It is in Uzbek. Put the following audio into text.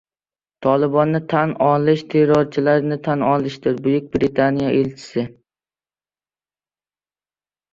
Tolibonni tan olish terrorchilarni tan olishdir — Buyuk Britaniya elchisi